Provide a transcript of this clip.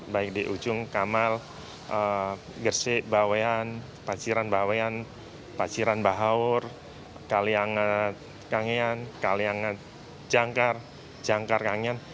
baik di ujung kamal gersik bawian paciran bawian paciran bahaur kaliangat kanyan kaliangat jangkar jangkar kanyan